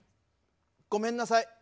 ごめんなさい。